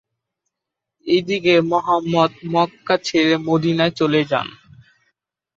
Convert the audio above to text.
এদিকে Muhammad Mecca ছেড়ে মদীনায় চলে যান।